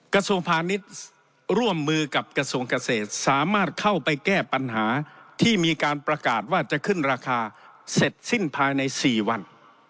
กระทรวงพาณิชย์ร่วมมือกับกระทรวงเกษตรสามารถเข้าไปแก้ปัญหาที่มีการประกาศว่าจะขึ้นราคาเสร็จสิ้นภายใน๔วัน